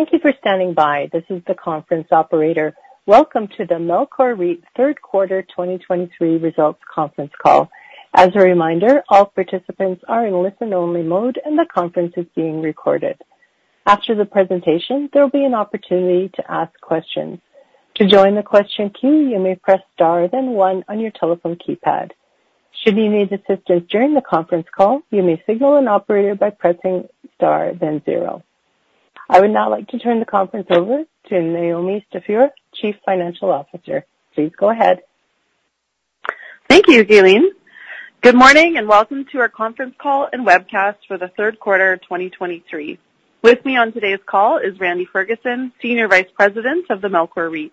Thank you for standing by. This is the conference operator. Welcome to the Melcor REIT Third Quarter 2023 Results Conference Call. As a reminder, all participants are in listen-only mode, and the conference is being recorded. After the presentation, there will be an opportunity to ask questions. To join the question queue, you may press star, then one on your telephone keypad. Should you need assistance during the conference call, you may signal an operator by pressing star, then zero. I would now like to turn the conference over to Naomi Stefura, Chief Financial Officer. Please go ahead. Thank you, Gailene. Good morning, and welcome to our conference call and webcast for the third quarter of 2023. With me on today's call is Randy Ferguson, Senior Vice President of the Melcor REIT.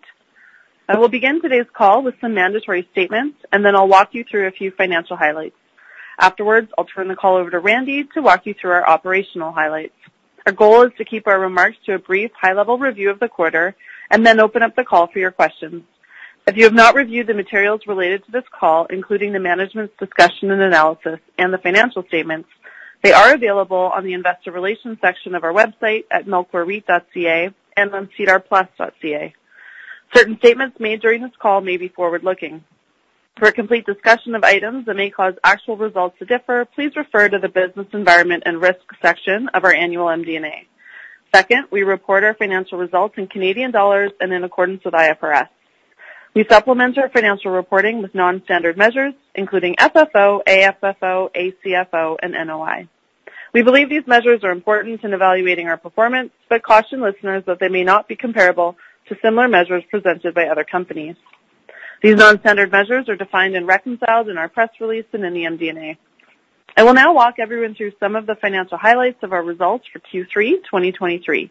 I will begin today's call with some mandatory statements, and then I'll walk you through a few financial highlights. Afterwards, I'll turn the call over to Randy to walk you through our operational highlights. Our goal is to keep our remarks to a brief, high-level review of the quarter and then open up the call for your questions. If you have not reviewed the materials related to this call, including the management's discussion and analysis and the financial statements, they are available on the Investor Relations section of our website at melcorreit.ca and on sedarplus.ca. Certain statements made during this call may be forward-looking. For a complete discussion of items that may cause actual results to differ, please refer to the Business Environment and Risk section of our annual MD&A. Second, we report our financial results in Canadian dollars and in accordance with IFRS. We supplement our financial reporting with non-standard measures, including FFO, AFFO, ACFO, and NOI. We believe these measures are important in evaluating our performance, but caution listeners that they may not be comparable to similar measures presented by other companies. These non-standard measures are defined and reconciled in our press release and in the MD&A. I will now walk everyone through some of the financial highlights of our results for Q3 2023.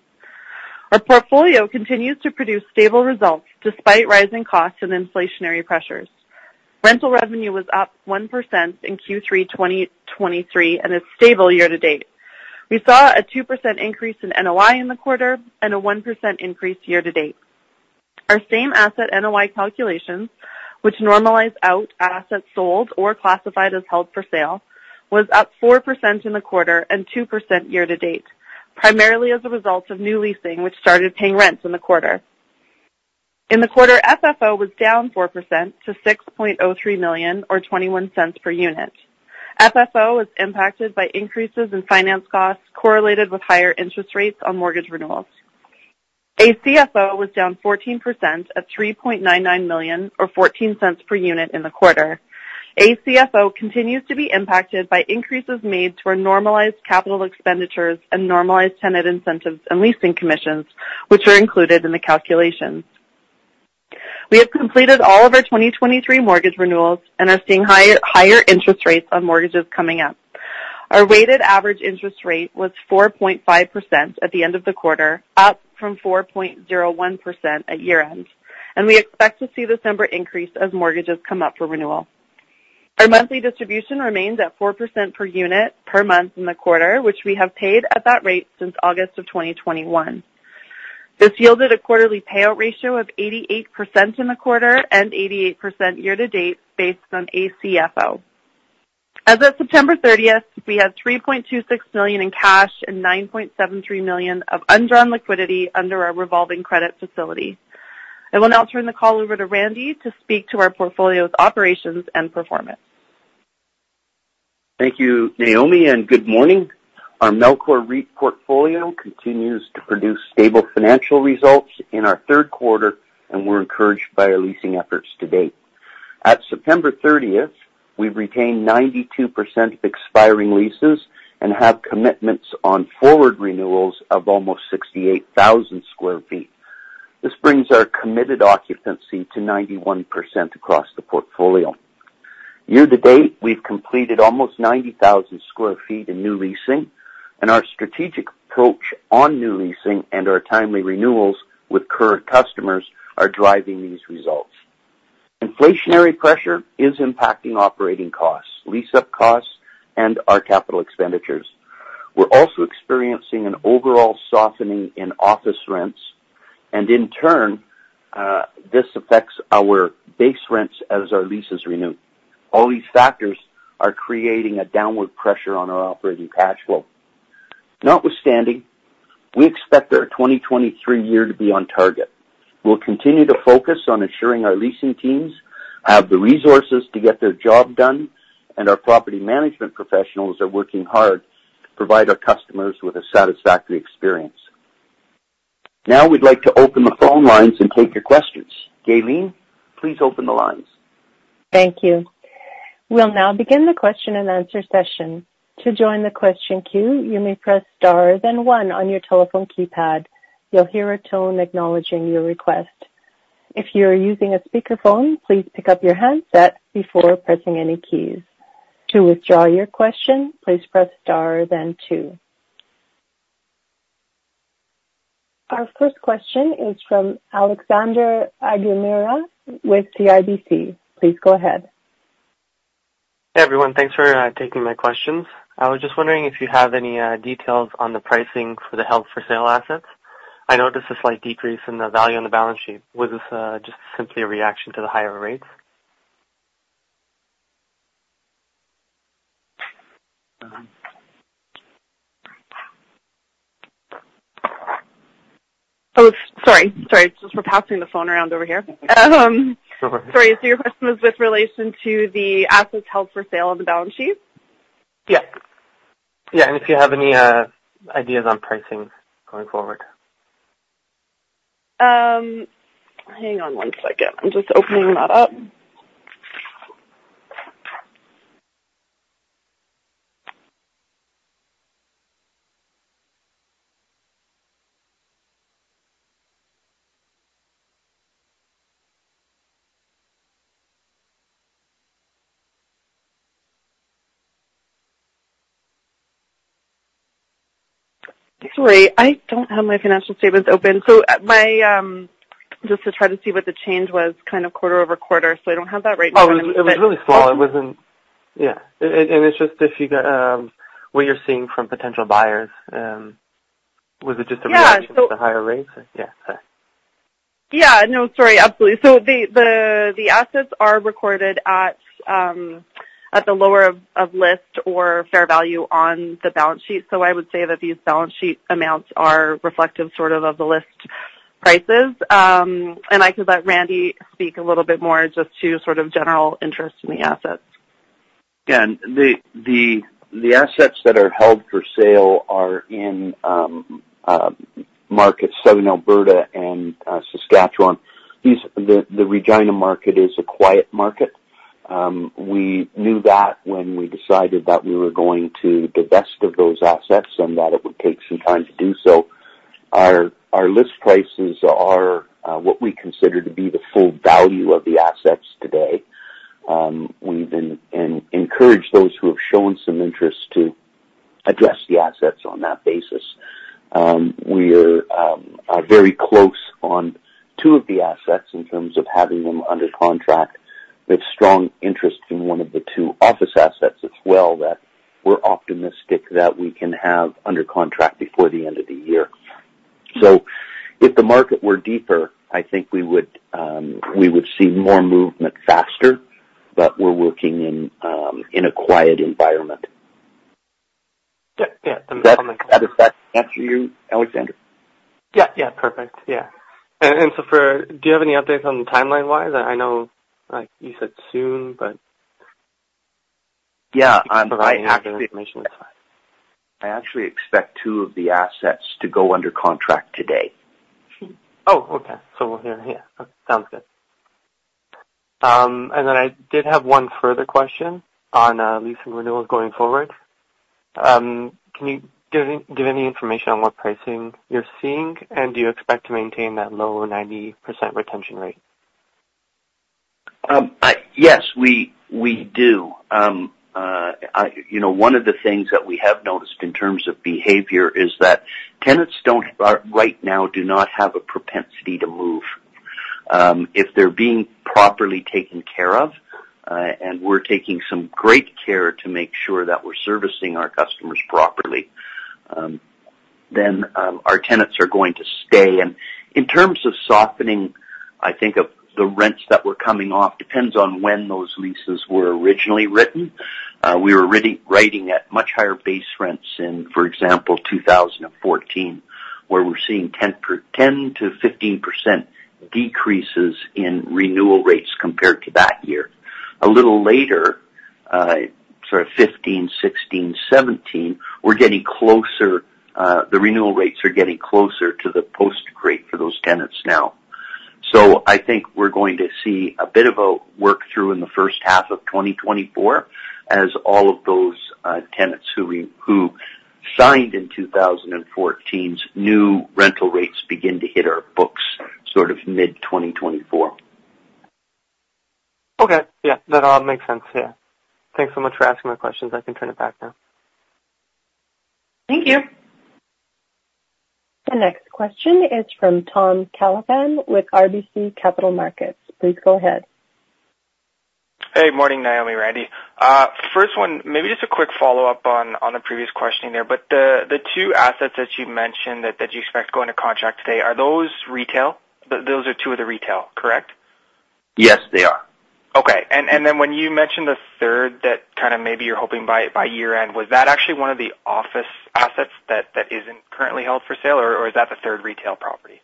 Our portfolio continues to produce stable results despite rising costs and inflationary pressures. Rental revenue was up 1% in Q3 2023 and is stable year-to-date. We saw a 2% increase in NOI in the quarter and a 1% increase year-to-date. Our same asset NOI calculations, which normalize out assets sold or classified as held for sale, was up 4% in the quarter and 2% year-to-date, primarily as a result of new leasing, which started paying rents in the quarter. In the quarter, FFO was down 4% to 6.03 million or 0.21 per unit. FFO was impacted by increases in finance costs correlated with higher interest rates on mortgage renewals. ACFO was down 14% at 3.99 million or 0.14 per unit in the quarter. ACFO continues to be impacted by increases made to our normalized capital expenditures and normalized tenant incentives and leasing commissions, which are included in the calculations. We have completed all of our 2023 mortgage renewals and are seeing higher interest rates on mortgages coming up. Our weighted average interest rate was 4.5% at the end of the quarter, up from 4.01% at year-end, and we expect to see this number increase as mortgages come up for renewal. Our monthly distribution remains at 4% per unit per month in the quarter, which we have paid at that rate since August 2021. This yielded a quarterly payout ratio of 88% in the quarter and 88% year-to-date based on ACFO. As of September 30, we had 3.26 million in cash and 9.73 million of undrawn liquidity under our revolving credit facility. I will now turn the call over to Randy to speak to our portfolio's operations and performance. Thank you, Naomi, and good morning. Our Melcor REIT portfolio continues to produce stable financial results in our third quarter, and we're encouraged by our leasing efforts to date. At September 30th, we've retained 92% of expiring leases and have commitments on forward renewals of almost 68,000 sq ft. This brings our committed occupancy to 91% across the portfolio. Year-to-date, we've completed almost 90,000 sq ft in new leasing, and our strategic approach on new leasing and our timely renewals with current customers are driving these results. Inflationary pressure is impacting operating costs, lease-up costs, and our capital expenditures. We're also experiencing an overall softening in office rents, and in turn, this affects our base rents as our leases renew. All these factors are creating a downward pressure on our operating cash flow. Notwithstanding, we expect our 2023 year to be on target. We'll continue to focus on ensuring our leasing teams have the resources to get their job done, and our property management professionals are working hard to provide our customers with a satisfactory experience. Now, we'd like to open the phone lines and take your questions. Gailene, please open the lines. Thank you. We'll now begin the question-and-answer session. To join the question queue, you may press star then one on your telephone keypad. You'll hear a tone acknowledging your request. If you're using a speakerphone, please pick up your handset before pressing any keys. To withdraw your question, please press star then two. Our first question is from Alexander Augimeri with CIBC. Please go ahead. Hey, everyone. Thanks for taking my questions. I was just wondering if you have any details on the pricing for the held-for-sale assets. I noticed a slight decrease in the value on the balance sheet. Was this just simply a reaction to the higher rates?... Oh, sorry, sorry. Just we're passing the phone around over here. Sorry, so your question was with relation to the assets held for sale on the balance sheet? Yeah. Yeah, and if you have any ideas on pricing going forward. Hang on one second. I'm just opening that up. Actually, I don't have my financial statements open, so just to try to see what the change was kind of quarter-over-quarter, so I don't have that right in front of me. Oh, it was really small. It wasn't... Yeah. And it's just if you got, what you're seeing from potential buyers, was it just a reaction to the higher rates? Yeah. Yeah, no, sorry. Absolutely. So the assets are recorded at the lower of list or fair value on the balance sheet. So I would say that these balance sheet amounts are reflective sort of the list prices. And I could let Randy speak a little bit more just to sort of general interest in the assets. Yeah. And the assets that are held for sale are in markets southern Alberta and Saskatchewan. The Regina market is a quiet market. We knew that when we decided that we were going to divest of those assets and that it would take some time to do so. Our list prices are what we consider to be the full value of the assets today. We've been and encouraged those who have shown some interest to address the assets on that basis. We are very close on two of the assets in terms of having them under contract, with strong interest in one of the two Office assets as well, that we're optimistic that we can have under contract before the end of the year. If the market were deeper, I think we would see more movement faster, but we're working in a quiet environment. Yeah. Yeah. That is that for you, Alexander? Yeah. Yeah. Perfect. Yeah. And so, do you have any updates on the timeline-wise? I know, like you said, soon, but- Yeah. If you can provide any other information, that's fine. I actually expect two of the assets to go under contract today. Oh, okay. So we'll hear. Yeah, sounds good. And then I did have one further question on leasing renewals going forward. Can you give any information on what pricing you're seeing, and do you expect to maintain that low 90% retention rate? Yes, we do. You know, one of the things that we have noticed in terms of behavior is that tenants do not have a propensity to move right now. If they're being properly taken care of, and we're taking some great care to make sure that we're servicing our customers properly, then our tenants are going to stay. And in terms of softening, I think of the rents that were coming off, depends on when those leases were originally written. We were writing at much higher base rents in, for example, 2014, where we're seeing 10%-15% decreases in renewal rates compared to that year. A little later, sort of 2015, 2016, 2017, we're getting closer, the renewal rates are getting closer to the post rate for those tenants now. So I think we're going to see a bit of a work through in the first half of 2024, as all of those tenants who we who signed in 2014's new rental rates begin to hit our books sort of mid-2024. Okay. Yeah, that all makes sense. Yeah. Thanks so much for asking my questions. I can turn it back now. Thank you. The next question is from Tom Callaghan with RBC Capital Markets. Please go ahead. Hey, morning, Naomi, Randy. First one, maybe just a quick follow-up on the previous question there, but the two assets that you mentioned that you expect to go into contract today, are those Retail? Those are two of the Retail, correct? Yes, they are. Okay. And then when you mentioned the third, that kind of maybe you're hoping by year-end, was that actually one of the Office assets that isn't currently held for sale, or is that the third Retail property?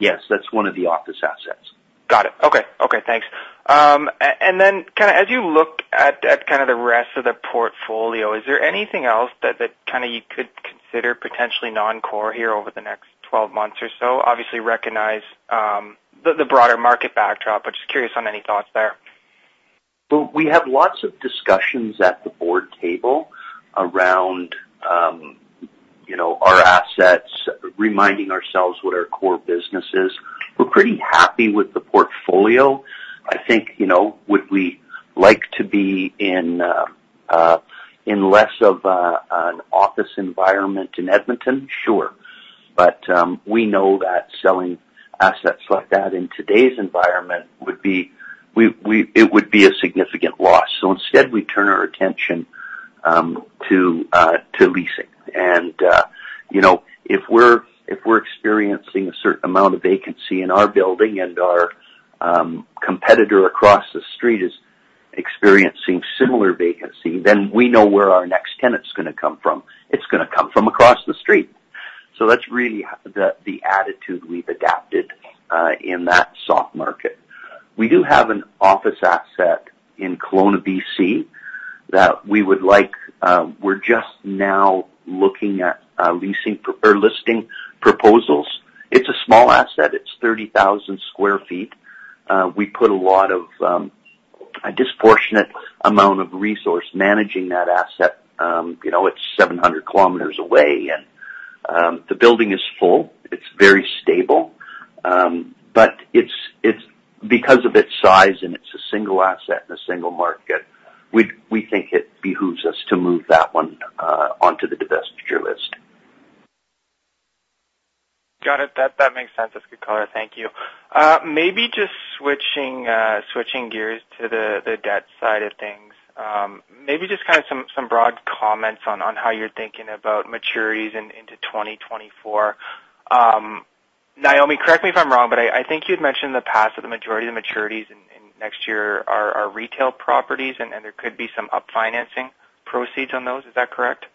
Yes, that's one of the Office assets. Got it. Okay. Okay, thanks. And then kind of as you look at kind of the rest of the portfolio, is there anything else that kind of you could consider potentially non-core here over the next 12 months or so? Obviously, recognize the broader market backdrop, but just curious on any thoughts there. Well, we have lots of discussions at the board table around, you know, our assets, reminding ourselves what our core business is. We're pretty happy with the portfolio. I think, you know, would we like to be in less of a, an office environment in Edmonton? Sure. But, we know that selling assets like that in today's environment would be a significant loss. So instead, we turn our attention to leasing and... You know, if we're experiencing a certain amount of vacancy in our building and our, competitor across the street is experiencing similar vacancy, then we know where our next tenant is gonna come from. It's gonna come from across the street. So that's really the attitude we've adapted, in that soft market. We do have an Office asset in Kelowna, BC, that we would like, we're just now looking at leasing or listing proposals. It's a small asset. It's 30,000 sq ft. We put a lot of a disproportionate amount of resource managing that asset. You know, it's 700 km away, and the building is full. It's very stable, but it's, it's because of its size and it's a single asset in a single market, we, we think it behooves us to move that one onto the divestiture list. Got it. That, that makes sense. That's a good color. Thank you. Maybe just switching, switching gears to the, the debt side of things. Maybe just kind of some, some broad comments on, on how you're thinking about maturities into 2024. Naomi, correct me if I'm wrong, but I, I think you'd mentioned in the past that the majority of the maturities in, in next year are, are Retail properties, and, and there could be some up financing proceeds on those. Is that correct?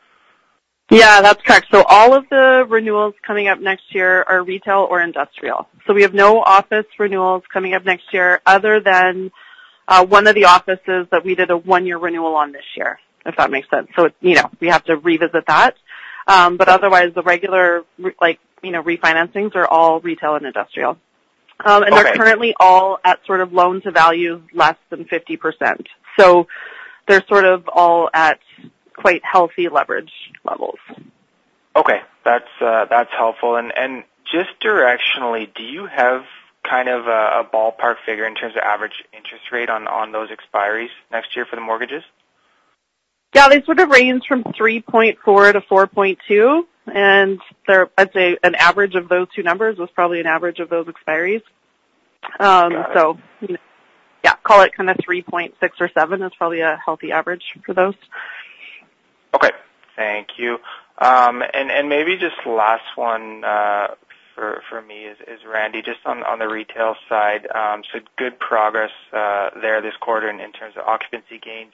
Yeah, that's correct. So all of the renewals coming up next year are Retail or Industrial. So we have no Office renewals coming up next year, other than one of the offices that we did a one-year renewal on this year, if that makes sense. So, you know, we have to revisit that. But otherwise, the regular, like, you know, refinancings are all Retail and Industrial. Okay. They're currently all at sort of loan-to-value, less than 50%. They're sort of all at quite healthy leverage levels. Okay. That's, that's helpful. And just directionally, do you have kind of a ballpark figure in terms of average interest rate on those expiries next year for the mortgages? Yeah, they sort of range from 3.4%-4.2%, and they're—I'd say an average of those two numbers was probably an average of those expiries. Got it. So, yeah, call it kind of 3.6% or 3.7% is probably a healthy average for those. Okay. Thank you. And maybe just last one for me is Randy, just on the Retail side. So good progress there this quarter and in terms of occupancy gains.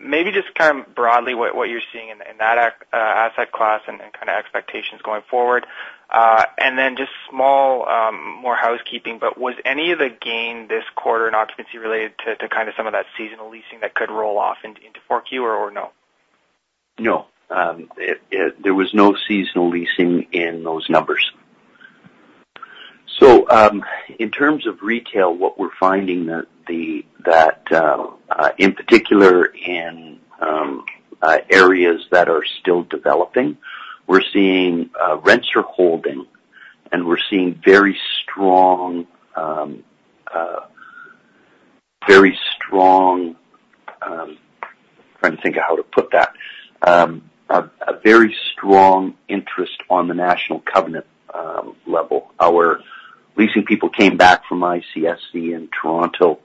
Maybe just kind of broadly what you're seeing in that asset class and kind of expectations going forward. And then just small more housekeeping, but was any of the gain this quarter in occupancy related to kind of some of that seasonal leasing that could roll off into 4Q or no? No. There was no seasonal leasing in those numbers. So, in terms of Retail, what we're finding that in particular in areas that are still developing, we're seeing rents are holding, and we're seeing very strong... very strong. I'm trying to think of how to put that. A very strong interest on the national covenant level. Our leasing people came back from ICSC in Toronto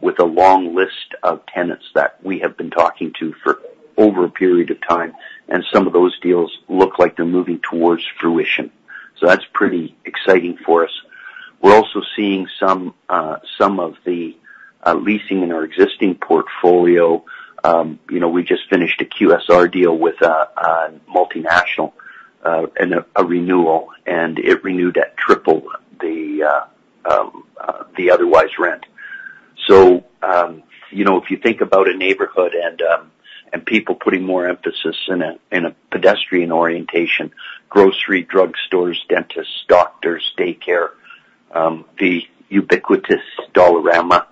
with a long list of tenants that we have been talking to for over a period of time, and some of those deals look like they're moving towards fruition. So that's pretty exciting for us. We're also seeing some of the leasing in our existing portfolio. You know, we just finished a QSR deal with a multinational, and a renewal, and it renewed at triple the otherwise rent. So, you know, if you think about a neighborhood and people putting more emphasis in a pedestrian orientation, grocery, drugstores, dentists, doctors, daycare, the ubiquitous Dollarama,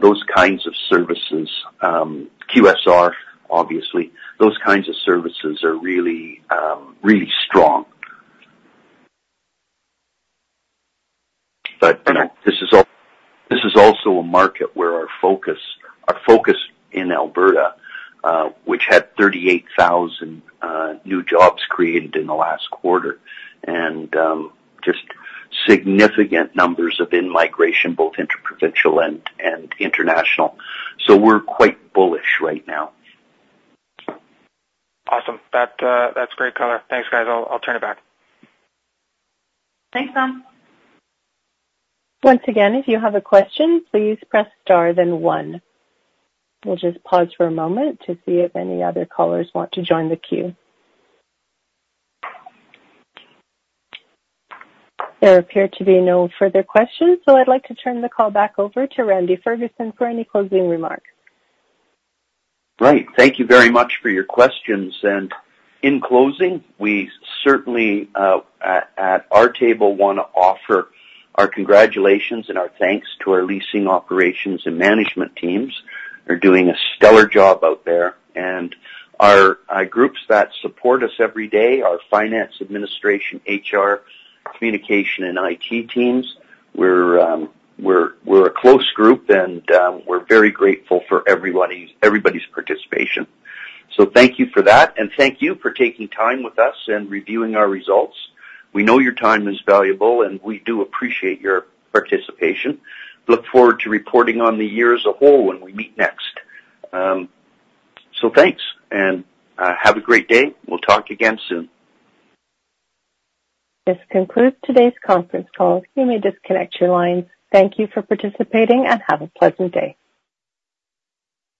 those kinds of services, QSR, obviously, those kinds of services are really strong. But, you know, this is also a market where our focus, our focus in Alberta, which had 38,000 new jobs created in the last quarter, and just significant numbers of in-migration, both interprovincial and international. So we're quite bullish right now. Awesome. That, that's great color. Thanks, guys. I'll turn it back. Thanks, Tom. Once again, if you have a question, please press Star then One. We'll just pause for a moment to see if any other callers want to join the queue. There appear to be no further questions, so I'd like to turn the call back over to Randy Ferguson for any closing remarks. Great. Thank you very much for your questions. And in closing, we certainly at our table want to offer our congratulations and our thanks to our leasing operations and management teams. They're doing a stellar job out there. And our groups that support us every day, our finance, administration, HR, communication, and IT teams, we're a close group, and we're very grateful for everybody's participation. So thank you for that, and thank you for taking time with us and reviewing our results. We know your time is valuable, and we do appreciate your participation. Look forward to reporting on the year as a whole when we meet next. So thanks, and have a great day. We'll talk again soon. This concludes today's conference call. You may disconnect your lines. Thank you for participating, and have a pleasant day.